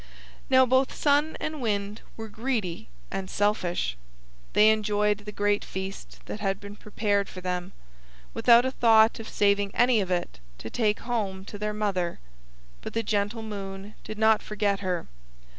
Now both Sun and Wind were greedy and selfish. They enjoyed the great feast that had been prepared for them, without a thought of saving any of it to take home to their mother—but the gentle Moon did not forget her.